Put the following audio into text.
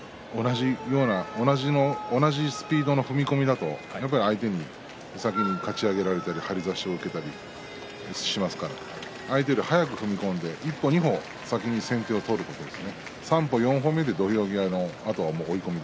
同じスピードの踏み込みだと相手に先にかち上げられたり張り差しをされたりしますから相手より早く踏み込んで一歩二歩先手を取るということです。